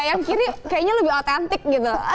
yang kiri kayaknya lebih otentik gitu